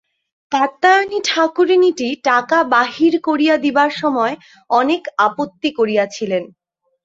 কাত্যায়নী ঠাকুরানীটি টাকা বাহির করিয়া দিবার সময় অনেক আপত্তি করিয়াছিলেন।